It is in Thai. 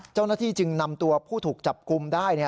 เจ้าหน้าที่จึงนำตัวผู้ถูกจับกลุ่มได้